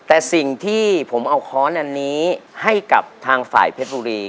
แต่สิ่งที่ผมเอาค้อนอันนี้ให้กับทางฝ่ายเพชรบุรี